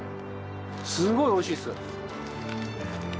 すごいおいしいっす。